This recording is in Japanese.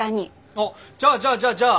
あっじゃあじゃあじゃあじゃあ！